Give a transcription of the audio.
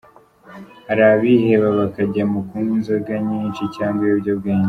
Hali abiheba bakajya mu kunywa inzoga nyinshi cyangwa ibiyobyabwenge.